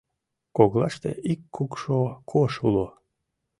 Коклаште ик кукшо кож уло.